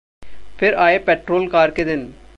फिर आए petrol car के दिन